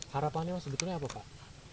harapannya sebetulnya apa pak